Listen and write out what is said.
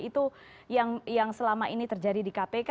itu yang selama ini terjadi di kpk